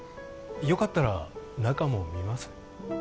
よかったら中も見ます？